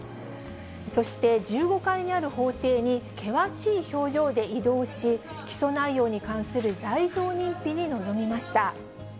そして、１５階にある法廷に、険しい表情で移動し、起訴内容に関する罪状認否に臨みました。